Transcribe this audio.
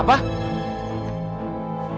apa maksud kalian